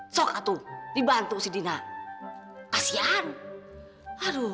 sokatu dibantu si dina kasian aduh